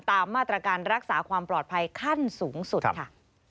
ตามมาตรการรักษาความปลอดภัยขั้นสูงสุดค่ะ